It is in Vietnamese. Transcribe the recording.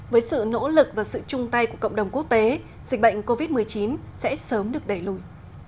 với sự nỗ lực và sự chung tay của cộng đồng quốc tế dịch bệnh covid một mươi chín sẽ sớm được đẩy lùi